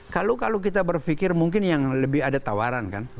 kalau kita berpikir mungkin yang lebih ada tawaran kan